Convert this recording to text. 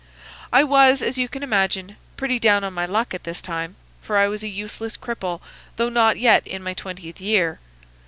"I was, as you can imagine, pretty down on my luck at this time, for I was a useless cripple though not yet in my twentieth year.